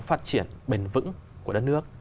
phát triển bền vững của đất nước